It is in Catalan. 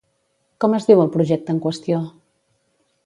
Com es diu el projecte en qüestió?